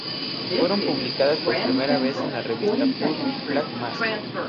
Fueron publicadas por primera vez en la revista pulp "Black Mask".